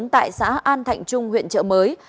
tại xã an thạnh trung huyện chợ mới